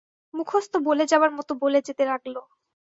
মুখস্থ বলে যাবার মতো বলে যেতে লাগল!